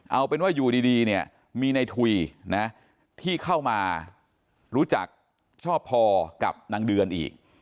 เอาเป็นว่าอยู่ดีเนี่ยมีในถุยนะที่เข้ามารู้จักชอบพอกับนางเดือนอีก